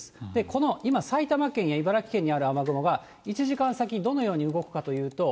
この今、埼玉県や茨城県にある雨雲は１時間先、どのように動くかというと。